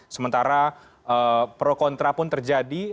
sementara pro kontra pun terjadi